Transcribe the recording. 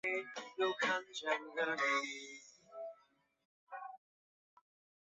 季米里亚泽沃农村居民点是俄罗斯联邦沃罗涅日州新乌斯曼区所属的一个农村居民点。